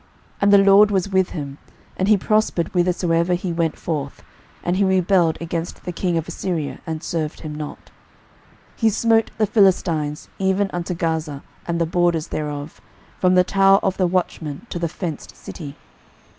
12:018:007 And the LORD was with him; and he prospered whithersoever he went forth: and he rebelled against the king of Assyria, and served him not. 12:018:008 He smote the Philistines, even unto Gaza, and the borders thereof, from the tower of the watchmen to the fenced city.